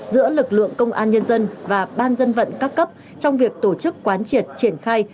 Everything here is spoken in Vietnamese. giữa lực lượng công an nhân dân và ban dân vận các cấp trong việc tổ chức quán triệt triển khai